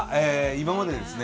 今までですね